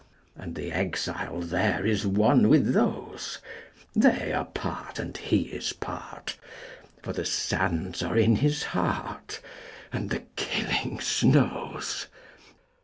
And the exile thereIs one with those; They are part, and he is part, For the sands are in his heart, And the killing snows.